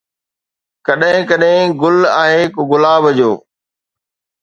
ڪڏھن ڪڏھن گل آھي، ڪو گلاب آھي